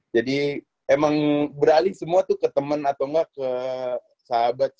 jadi emang beralih semua tuh ke temen atau enggak ke sahabat sih